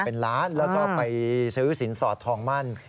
เป็นล้านแล้วก็ไปซื้อสินสอดทองมั่น